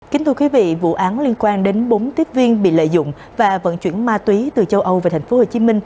kính thưa quý vị vụ án liên quan đến bốn tiếp viên bị lợi dụng và vận chuyển ma túy từ châu âu về tp hcm